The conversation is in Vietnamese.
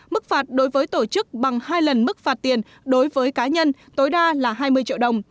mức phạt đối với tổ chức bằng hai lần mức phạt tiền đối với cá nhân tối đa là hai mươi triệu đồng